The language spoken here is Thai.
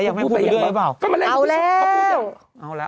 แม่คงไม่ดูเรื่อยไงหรือเปล่าเอาแล้ว